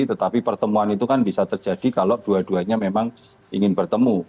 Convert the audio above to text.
tetapi pertemuan itu kan bisa terjadi kalau dua duanya memang ingin bertemu